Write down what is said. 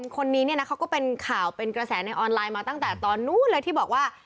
คนนี้เนี่ยนะเขาก็เป็นข่าวเป็นกระแสในออนไลน์มาตั้งแต่ตอนนู้นเลยที่บอกว่า